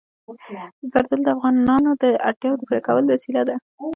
زردالو د افغانانو د اړتیاوو د پوره کولو وسیله ده.